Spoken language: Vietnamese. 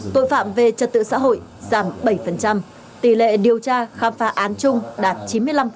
tội phạm về trật tự xã hội giảm bảy tỷ lệ điều tra khám phá án chung đạt chín mươi năm